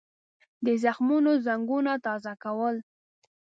د زخمونو زنګونه تازه کول.